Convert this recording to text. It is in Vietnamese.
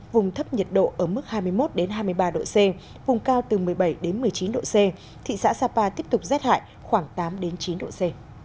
vùng thấp nhiệt độ ở mức hai mươi một hai mươi ba độ c vùng cao từ một mươi bảy một mươi chín độ c thị xã sapa tiếp tục rét hại khoảng tám chín độ c